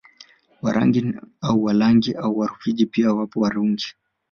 Warangi au Walangi na Warufiji pia wapo Warungi